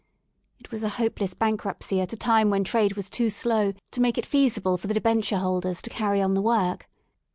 It was a hopeless bankruptcy at a time when trade was too slow to make it feasible for the debenture holders to carry on the work.